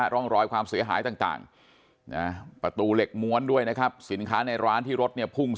ร่องรอยความเสียหายต่างปราตูเหล็กม้วนด้วยนะครับ